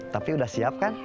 tapi udah siap kan